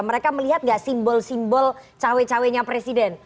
mereka melihat nggak simbol simbol cawe cawe nya presiden